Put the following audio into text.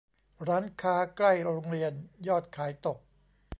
ร้านค้าใกล้โรงเรียนยอดขายตก